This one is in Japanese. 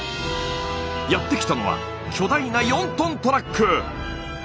やって来たのは巨大な４ｔトラック！